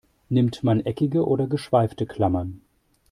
Nimmt man eckige oder geschweifte Klammern?